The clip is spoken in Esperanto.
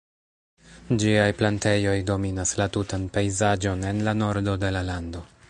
Ĝiaj plantejoj dominas la tutan pejzaĝon en la nordo de la lando.